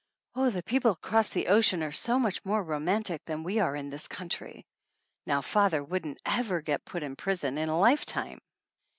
Oh, the people across the ocean are so much more romantic than we are in this coun try! Now, father wouldn't ever get put in prison in a lifetime